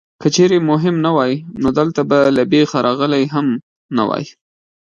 که چېرې مهم نه وای نو دلته به له بېخه راغلی هم نه وې.